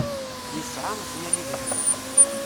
Yesɛa Meẓyan idrimen.